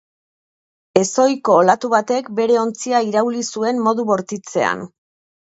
Ezohiko olatu batek bere ontzia irauli zuen modu bortitzean.